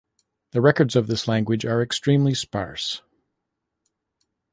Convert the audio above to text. The records of this language are extremely sparse.